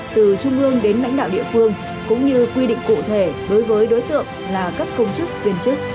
từ trung ương đến lãnh đạo địa phương cũng như quy định cụ thể đối với đối tượng là cấp công chức viên chức